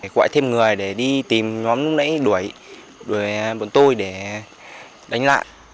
gọi thêm người để đi tìm nhóm nãy đuổi đuổi bọn tôi để đánh lại